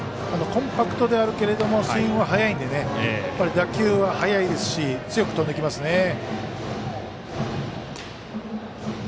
コンパクトであるけれどもスイングは速いので打球は速いし強く飛んできますね。